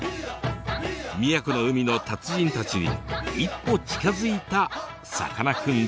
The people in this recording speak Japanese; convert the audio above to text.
宮古の海の達人たちに一歩近づいたさかなクンでした。